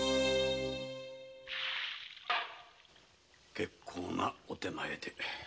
結構なお点前で。